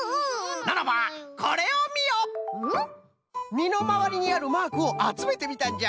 みのまわりにあるマークをあつめてみたんじゃ。